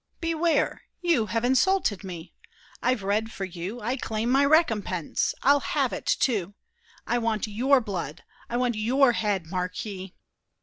Beware! You have insulted me! I've read for you; I claim my recompense! I'll have it, too! I want your blood, I want your head, Marquis!